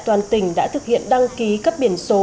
toàn tỉnh đã thực hiện đăng ký cấp biển số